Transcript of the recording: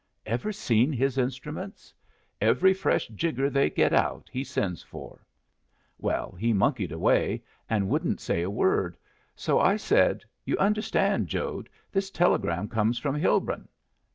Ever seen his instruments? Every fresh jigger they get out he sends for. Well, he monkeyed away, and wouldn't say a word, so I said, 'You understand, Jode, this telegram comes from Hilbrun.'